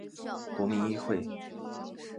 国民议会。